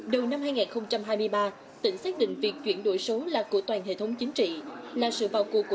đầu năm hai nghìn hai mươi ba tỉnh xác định việc chuyển đổi số là của toàn hệ thống chính phủ